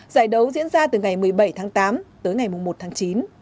giải đấu diễn ra từ ngày một mươi bảy tháng tám tới ngày một tháng chín